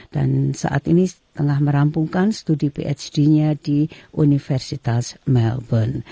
dan saat ini telah merampungkan studi phd nya di universitas melbourne